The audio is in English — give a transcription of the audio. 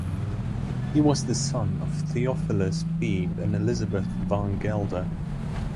He was the son of Theophilus Beebe and Elizabeth Van Gelder.